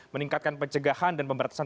meningkatkan pencegahan dan pemberatasan